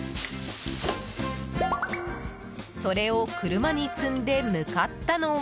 それを車に積んで向かったのは。